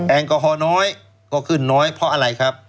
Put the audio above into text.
แอลกอฮอลน้อยก็ขึ้นน้อยเพราะอะไรครับ